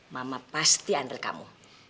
mama pasti antar kamu